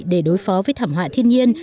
để đối phó với thảm họa thiên nhiên